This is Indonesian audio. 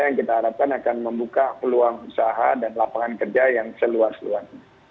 yang kita harapkan akan membuka peluang usaha dan lapangan kerja yang seluas luas